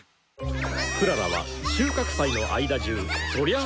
クララは収穫祭の間中そりゃあ